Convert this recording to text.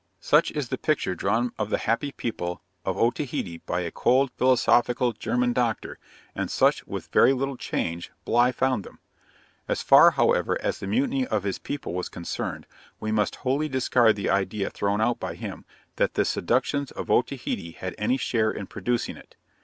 Such is the picture drawn of the happy people of Otaheite by a cold, philosophical, German doctor, and such, with very little change, Bligh found them. As far, however, as the mutiny of his people was concerned, we must wholly discard the idea thrown out by him, that the seductions of Otaheite had any share in producing it.